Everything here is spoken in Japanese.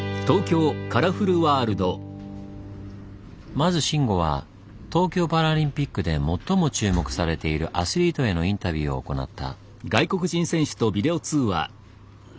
まず慎吾は東京パラリンピックで最も注目されているアスリートへのインタビューを行った。